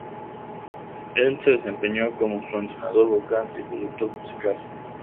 Él se desempeñó como su entrenador vocal y productor musical.